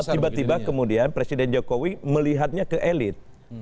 tiba tiba kemudian presiden jokowi melihatnya ke elit